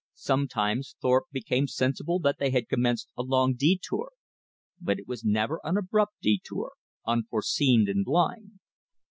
Sometimes Thorpe became sensible that they had commenced a long detour; but it was never an abrupt detour, unforeseen and blind.